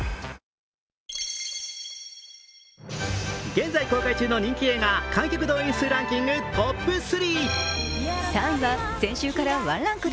現在公開中の人気映画観客動員数ランキングトップ３。